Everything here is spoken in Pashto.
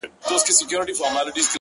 پرېميږده - پرېميږده سزا ده د خداى-